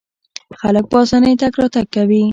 خلک په اسانۍ تګ راتګ کوي.